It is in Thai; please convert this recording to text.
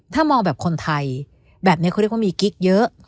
ถ้ามองแบบคนไทยแบบนี้เขาเรียกว่ามีกิ๊กเยอะ